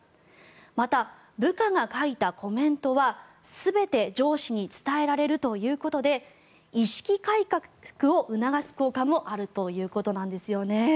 また、部下が書いたコメントは全て上司に伝えられるということで意識改革を促す効果もあるということなんですよね。